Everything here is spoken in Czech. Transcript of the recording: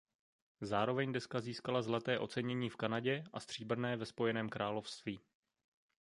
Zároveň deska získala zlaté ocenění v Kanadě a stříbrné ve Spojeném království.